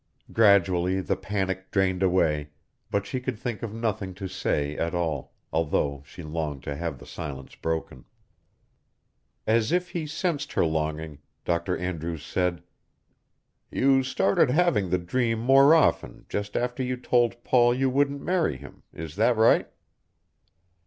Gradually the panic drained away, but she could think of nothing to say at all, although she longed to have the silence broken. As if he sensed her longing, Dr. Andrews said, "You started having the dream more often just after you told Paul you wouldn't marry him, is that right?"